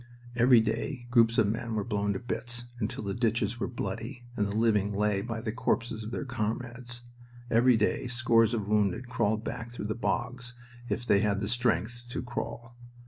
Every day groups of men were blown to bits, until the ditches were bloody and the living lay by the corpses of their comrades. Every day scores of wounded crawled back through the bogs, if they had the strength to crawl.